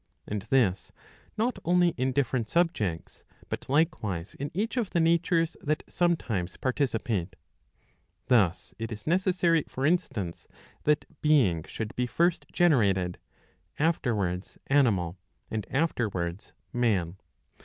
And this not only in different subjects, but likewise in each of the natures that sometimes participate. Thus it is necessary, for instance, that being should be first generated, afterwards animal, and afterwards man.